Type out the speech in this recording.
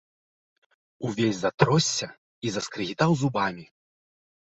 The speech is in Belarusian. Увесь затросся і заскрыгітаў зубамі.